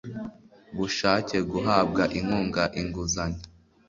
bushake guhabwa inkunga inguzanyo